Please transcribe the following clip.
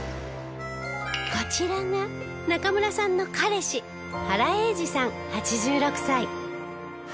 こちらが中村さんの彼氏原榮二さん８６歳